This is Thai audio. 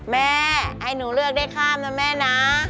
แม่ให้หนูเลือกได้ข้ามนะแม่นะ